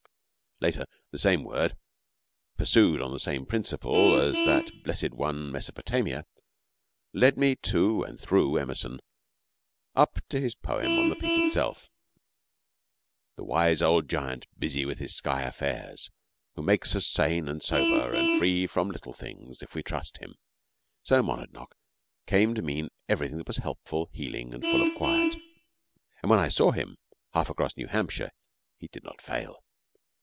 Later the same word, pursued on the same principle as that blessed one Mesopotamia, led me to and through Emerson, up to his poem on the peak itself the wise old giant 'busy with his sky affairs,' who makes us sane and sober and free from little things if we trust him. So Monadnock came to mean everything that was helpful, healing, and full of quiet, and when I saw him half across New Hampshire he did not fail.